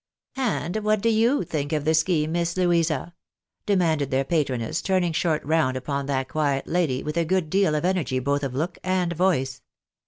" And what do you think of the scheme, Miss Louisa ?" demanded their patroness, turning short round upon that quiet lady with a good deal of energy both of look and voice.